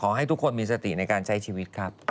ให้ทุกคนมีสติในการใช้ชีวิตครับ